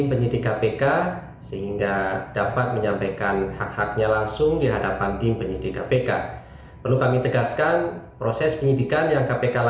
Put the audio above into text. adalah untuk memperbaiki kemampuan penyidikan yang diperlukan oleh penyidikan